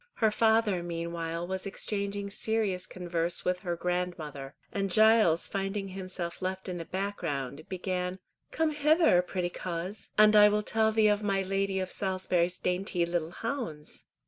Her father meanwhile was exchanging serious converse with her grandmother, and Giles finding himself left in the background, began: "Come hither, pretty coz, and I will tell thee of my Lady of Salisbury's dainty little hounds."